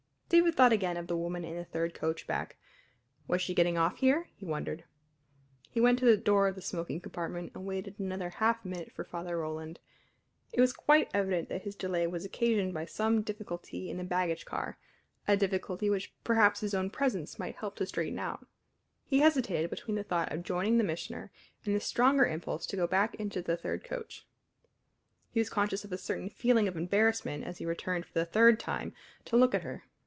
David thought again of the woman in the third coach back. Was she getting off here, he wondered? He went to the door of the smoking compartment and waited another half minute for Father Roland. It was quite evident that his delay was occasioned by some difficulty in the baggage car, a difficulty which perhaps his own presence might help to straighten out. He hesitated between the thought of joining the Missioner and the stronger impulse to go back into the third coach. He was conscious of a certain feeling of embarrassment as he returned for the third time to look at her.